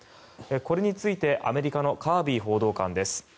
これについてアメリカのカービー報道官です。